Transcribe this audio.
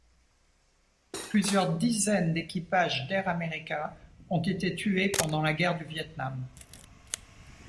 Plusieurs dizaines d'équipages d'Air America ont été tués pendant la guerre du Viêt Nam.